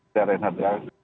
saya renar ya